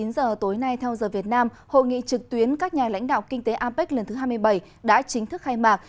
ngay theo giờ việt nam hội nghị trực tuyến các nhà lãnh đạo kinh tế apec lần thứ hai mươi bảy đã chính thức khai mạc